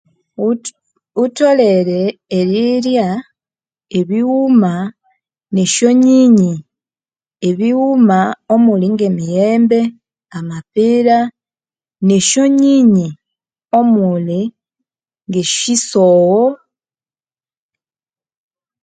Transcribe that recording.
Ghuthi ghutholere erirya ebighuma ne syonyinyi ebighuma omuli nge miyembe amapera ne syonyinyi omuli nge sisogho